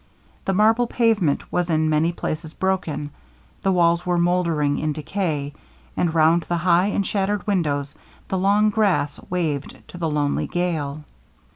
The marble pavement was in many places broken, the walls were mouldering in decay, and round the high and shattered windows the long grass waved to the lonely gale.